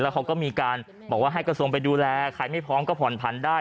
เขาก็มีการบอกว่าให้กระทรวงไปดูแลใครไม่พร้อมก็ผ่อนผันได้